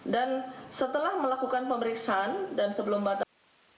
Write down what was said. dan setelah melakukan pemeriksaan dan sebelum batas